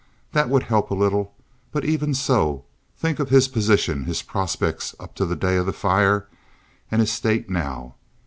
That would help a little. But even so—think of his position, his prospects up to the day of the fire and his state now.